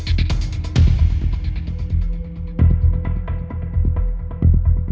จะไหนกันน่ะ